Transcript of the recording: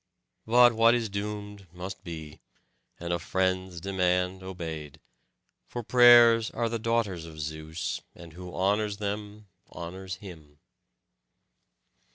But what is doomed must be, and a friend's demand obeyed; for prayers are the daughters of Zeus, and who honours them honours him."